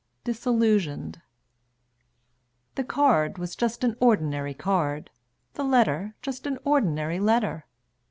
DISILLUSIONED The card was just an ordinary card, The letter just an ordinary letter.